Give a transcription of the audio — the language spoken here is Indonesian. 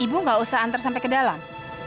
ibu nggak usah antar sampai ke dalam